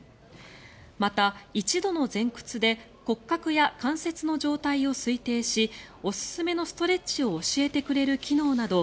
また、１度の前屈で骨格や関節の状態を推定しおすすめのストレッチを教えてくれる機能など